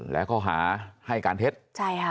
และข้อหาให้การเท็จ